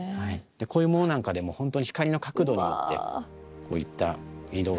こういうものなんかでもホントに光の角度によってこういった色が。